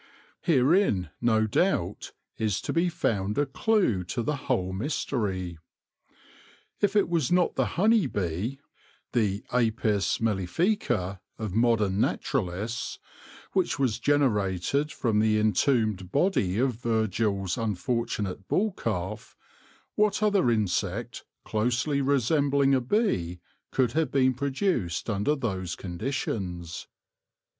Herein, no doubt, is to be found a clue to the whole mystery. If it was not the honey bee — the Apis mellifica of modern naturalists — which was generated from the entombed body of Virgil's unfortunate bull calf, what other insect, closely resembling a bee, could have been produced under those conditions